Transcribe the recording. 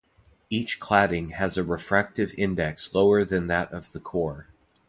Each cladding has a refractive index lower than that of the core.